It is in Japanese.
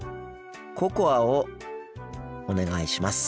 ココアをお願いします。